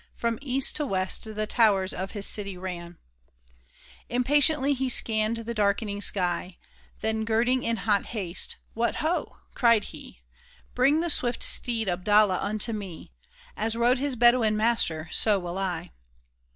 From east to west the towers of his city ran ! Impatiently he scanned the darkening sky ; Then girding in hot haste, '' What ho !" cried he, " Bring the swift steed Abdallah unto me ! As rode his Bedouin master, so will I